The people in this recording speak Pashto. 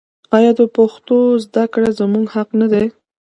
آیا د پښتو زده کړه زموږ حق نه دی؟